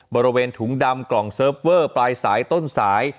บริเวณถุงดำกล่องเซิร์ฟเวอร์ปลายสายต้นสาย